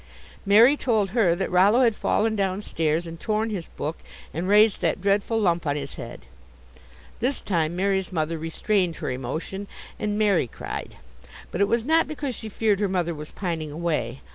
Mary told her that Rollo had fallen down stairs and torn his book and raised that dreadful lump on his head. This time Mary's mother restrained her emotion, and Mary cried. But it was not because she feared her mother was pining away.